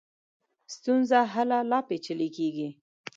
ستونزه هله لا پېچلې کېږي.